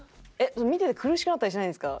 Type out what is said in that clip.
見てて苦しくなったりしないんですか？